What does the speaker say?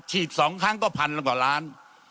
ฉีดสองครั้งก็พันละกว่าร้าน